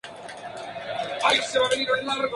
Les Granges-Gontardes